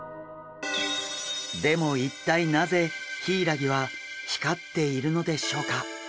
でも一体なぜヒイラギは光っているのでしょうか？